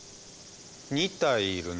２体いるな。